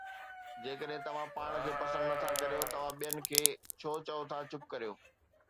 جيڪڏهن توهان پاڻ کي پسند نٿا ڪريو، توهان ٻين کي ڇو چئو ٿا چپ ڪريو؟